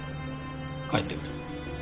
帰ってくれ。